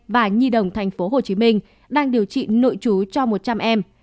và nhi đồng tp hcm đang điều trị nội chú cho một trăm linh em